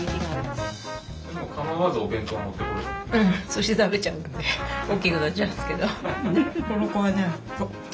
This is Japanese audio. そして食べちゃうんで大きくなっちゃうんですけど。